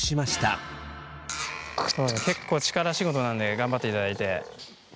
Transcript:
結構力仕事なんで頑張っていただいて。